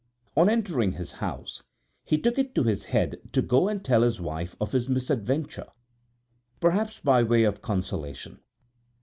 On entering his house, he took it into his head to go and tell his wife of his misadventure, perhaps by way of consolation.